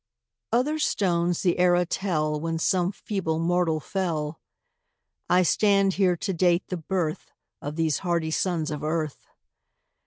Other stones the era tell When some feeble mortal fell; I stand here to date the birth Of these hardy sons of earth.